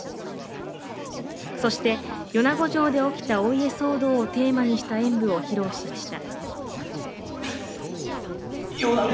そして、米子城で起きたお家騒動をテーマにした演武を披露しました。